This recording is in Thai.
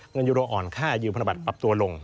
เงินยูโรอ่อนค่ายูพฤบัติปรับตัวลง